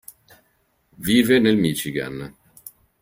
Vive nel Michigan.